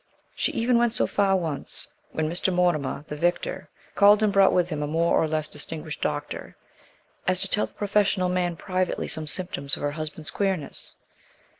She even went so far once, when Mr. Mortimer, the vicar, called, and brought with him a more or less distinguished doctor as to tell the professional man privately some symptoms of her husband's queerness.